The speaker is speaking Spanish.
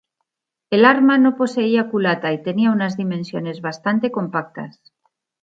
El arma no poseía culata y tenía unas dimensiones bastante compactas.